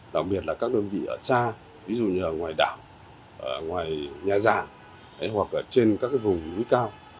đặc biệt là các đơn vị ở xa ví dụ như ngoài đảo ngoài nhà già hoặc trên các vùng núi cao